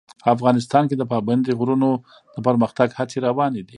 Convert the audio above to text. افغانستان کې د پابندي غرونو د پرمختګ هڅې روانې دي.